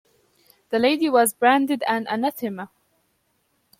The lady was branded an anathema.